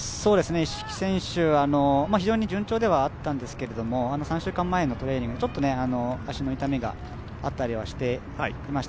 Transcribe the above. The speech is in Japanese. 一色選手、非常に順調ではあったんですけど３週間前のトレーニングで足の痛みがあったりしていました。